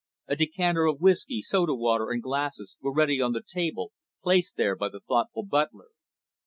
A decanter of whiskey, soda water, and glasses were ready on the table, placed there by the thoughtful butler.